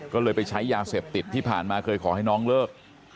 ก็เลยไปใช้ยาเสพติดที่ผ่านมาเคยขอให้น้องเลิก